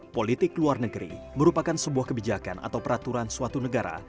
politik luar negeri merupakan sebuah kebijakan atau peraturan suatu negara